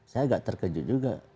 saya agak terkejut juga